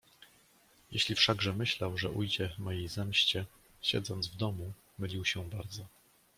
"Jeśli wszakże myślał, że ujdzie mojej zemście, siedząc w domu, mylił się bardzo."